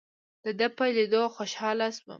دده په لیدو خوشاله شوم.